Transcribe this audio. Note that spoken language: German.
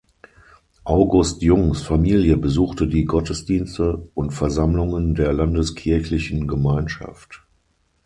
August Jungs Familie besuchte die Gottesdienste und Versammlungen der Landeskirchlichen Gemeinschaft.